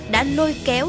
đã lôi kéo